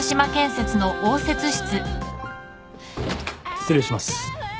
失礼します。